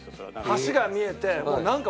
橋が見えて。